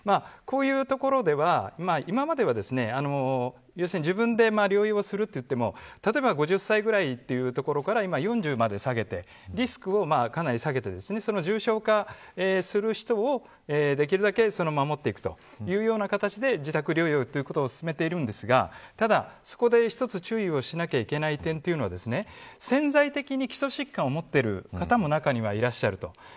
こういうところでは、今までは自分で療養すると言っても例えば５０歳ぐらいというところから今は４０歳まで下げてリスクをかなり下げて重症化する人をできるだけ守っていくというような形で自宅療養を進めているんですがただ、そこで一つ注意をしなければいけないというのは潜在的に基礎疾患を持っている方も中にはいらっしゃる。